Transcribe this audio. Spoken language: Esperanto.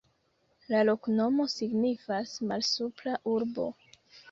La loknomo signifas: Malsupra Urbo.